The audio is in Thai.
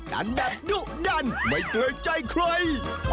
กันแบบดุดันไม่เกรงใจใคร